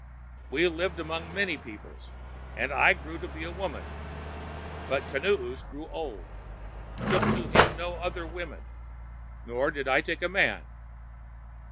We lived among many peoples, and I grew to be a woman; but Kinoos, growing old, took to him no other woman, nor did I take a man.